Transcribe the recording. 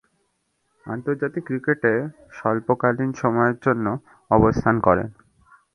আন্তর্জাতিক ক্রিকেটে স্বল্পকালীন সময়ের জন্যে অবস্থান করেন।